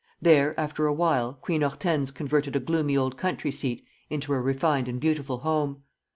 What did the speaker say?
There, after a while, Queen Hortense converted a gloomy old country seat into a refined and beautiful home.